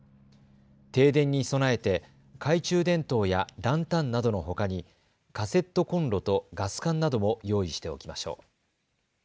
停電に備えて懐中電灯やランタンなどのほかにカセットコンロとガス缶なども用意しておきましょう。